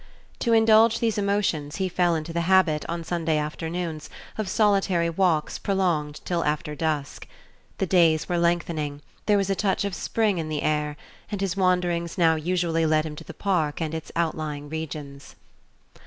To indulge these emotions he fell into the habit, on Sunday afternoons, of solitary walks prolonged till after dusk. The days were lengthening, there was a touch of spring in the air, and his wanderings now usually led him to the Park and its outlying regions.